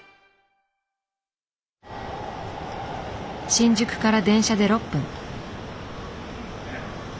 新宿から電車で６分。